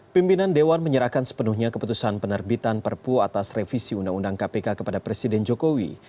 pimpinan dewan menyerahkan sepenuhnya keputusan penerbitan perpu atas revisi undang undang kpk kepada presiden jokowi